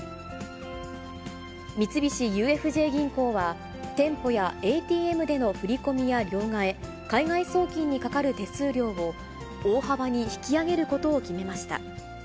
三菱ＵＦＪ銀行は、店舗やＡＴＭでの振り込みや両替、海外送金にかかる手数料を、大幅に引き上げることを決めました。